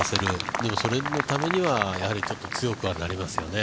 でもそれのためにはやはり強くはなりますよね。